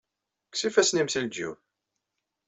Kkes ifassen-im seg leǧyub.